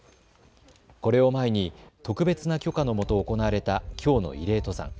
これを前に特別な許可のもと行われたきょうの慰霊登山。